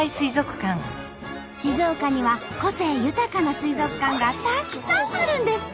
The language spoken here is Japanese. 静岡には個性豊かな水族館がたくさんあるんです。